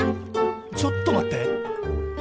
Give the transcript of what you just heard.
ちょっと待って。